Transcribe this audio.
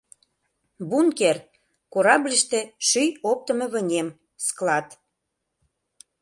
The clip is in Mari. Бункер — корабльыште шӱй оптымо вынем, склад.